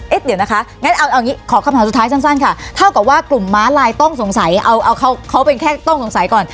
เดี๋ยวนะคะงั้นเอางี้ขอคำถามสุดท้ายสั้นค่ะเท่ากับว่ากลุ่มม้าลายต้องสงสัยเอาเขาเขาเป็นแค่ต้องสงสัยก่อน